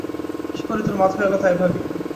কী করে তোর মাথায় এল, তাই ভাবি।